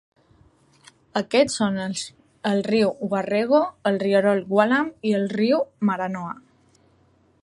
Aquests són el riu Warrego, el rierol Wallam i el riu Maranoa.